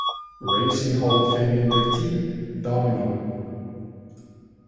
Racing Hall of Fame inductee, Domino.